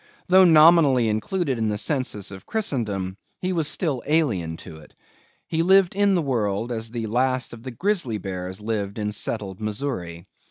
Though nominally included in the census of Christendom, he was still an alien to it. He lived in the world, as the last of the Grisly Bears lived in settled Missouri.